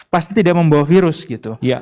pasti tidak membawa virus gitu